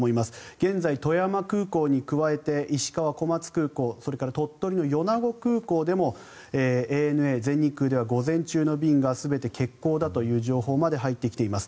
現在、富山空港に加えて石川・小松空港それから鳥取の米子空港でもＡＮＡ、全日空では午前中の便が全て欠航だという情報まで入ってきています。